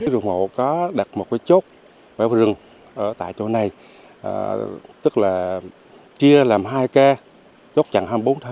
dốc mỏ có đặt một cái chốt vào rừng ở tại chỗ này tức là chia làm hai kê chốt chặn hai mươi bốn hai mươi bốn